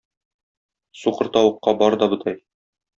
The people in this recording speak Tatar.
Сукыр тавыкка бар да бодай.